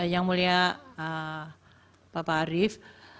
yang mulia bapak arief